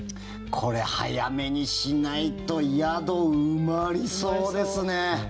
これ早めにしないと宿、埋まりそうですね。